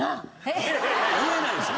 言えないですよ！